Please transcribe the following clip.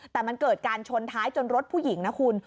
แต่มันเกิดการชนท้ายจนรถผู้หญิงนะคุณ